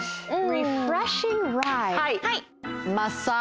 はい。